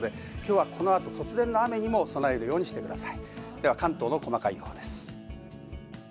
この後突然の雨にも備えるようにしてください。